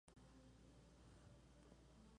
Ramón Salas Larrazábal.